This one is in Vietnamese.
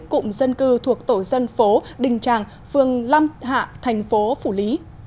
cụm dân cư thuộc tổ dân phố đình tràng phường lâm hạ thành phố phủ lý